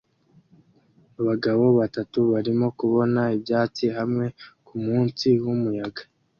Abagabo batatu barimo kubona ibyatsi hamwe kumunsi wumuyaga